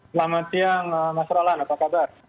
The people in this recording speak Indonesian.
selamat siang mas rolan apa kabar